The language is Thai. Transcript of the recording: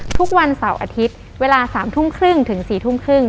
ทุกวันเสาร์อาทิตย์เวลา๓ทุ่มครึ่งถึง๔ทุ่มครึ่ง